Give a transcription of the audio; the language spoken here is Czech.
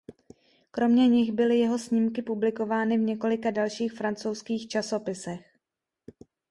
Kromě nich byly jeho snímky publikovány v několika dalších francouzských časopisech.